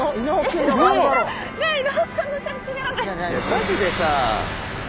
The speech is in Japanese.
マジでさあ。